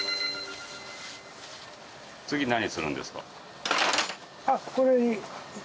次何するんですか？